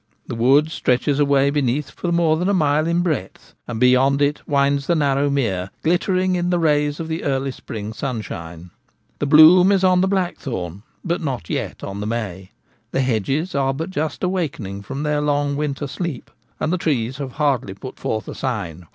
The wood stretches away beneath for more than a mile in breadth, and beyond it winds the narrow mere glittering in the rays of the early spring sun shine. The bloom is on the blackthorn, but not yet on the may ; the hedges are but just awakening from their long winter sleep, and the trees have hardly put forth a sign.